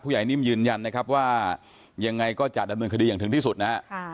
ใหญ่นิ่มยืนยันนะครับว่ายังไงก็จะดำเนินคดีอย่างถึงที่สุดนะฮะ